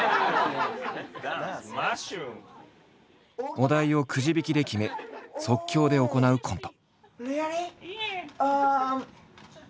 お題をくじ引きで決め即興で行うコント。